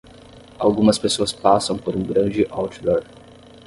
Algumas pessoas passam por um grande outdoor.